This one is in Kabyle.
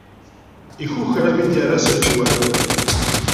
Ikukra mi d-yerra s lejwab.